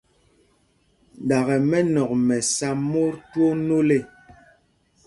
Ɗakɛ mɛnɔ̂k mɛ sá mot twóó nôl ê.